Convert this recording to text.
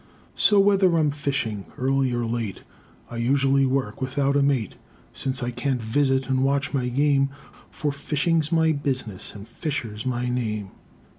So whether I'm fishing early or late, I usually work without a mate, Since I can't visit and watch my game; For fishing's my business, and Fisher's my name.